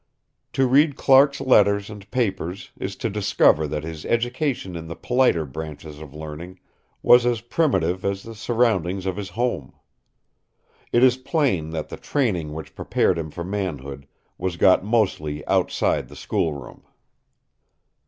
To read Clark's letters and papers is to discover that his education in the politer branches of learning was as primitive as the surroundings of his home. It is plain that the training which prepared him for manhood was got mostly outside the schoolroom.